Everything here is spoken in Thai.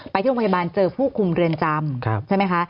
ไปที่โรงพยาบาลเจอผู้คุมเรียนจำ